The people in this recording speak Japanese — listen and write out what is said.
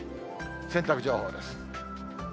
洗濯情報です。